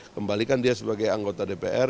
kembalikan dia sebagai anggota dpr